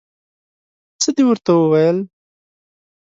څه دې ورته وویل؟